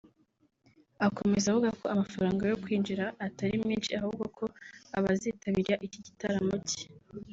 Akomeza avuga ko amafaranga yo kwinjira atari menshi ahubwo ko abazitabira iki gitaramo cye